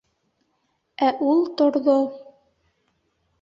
Ә ул торҙо.